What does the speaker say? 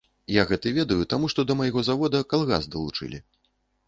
Я гэты ведаю таму, што да майго завода калгас далучылі.